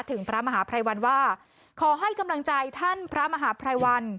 ถึงพระมหาภัยวันว่าขอให้กำลังใจท่านพระมหาภัยวัน